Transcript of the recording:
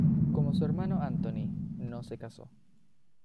Como su hermano Antoni, no se casó.